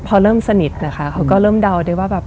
พอเริ่มสนิทนะคะเขาก็เริ่มเดาได้ว่าแบบ